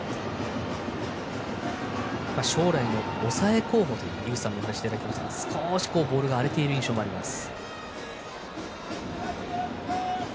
将来の抑え候補という井口さんのお話を頂きましたが少しボールが荒れている印象があります。